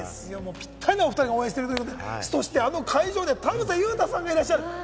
ぴったりのおふたりが応援しているということで、そしてあの会場で田臥勇太さんがいらっしゃる。